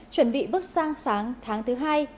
chuẩn bị bước sang sáng tháng thứ hai